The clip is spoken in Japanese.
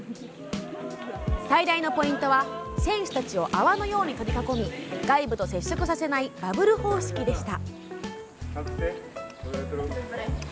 最大のポイントは選手たちを泡のように取り囲み外部と接触させないバブル方式でした。